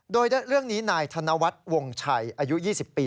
โดยเรื่องนี้นายธนวัฒน์วงชัยอายุ๒๐ปี